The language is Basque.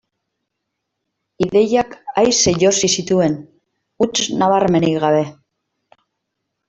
Ideiak aise josi zituen, huts nabarmenik gabe.